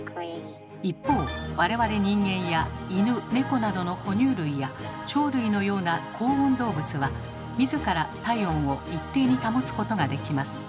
一方我々人間や犬猫などの哺乳類や鳥類のような恒温動物は自ら体温を一定に保つことができます。